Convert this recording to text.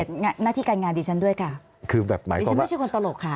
ช่วยให้เกียรติหน้าที่การงานดิฉันด้วยค่ะดิฉันไม่ใช่คนตลกค่ะ